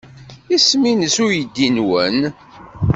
Isem-nnes uydi-nwen?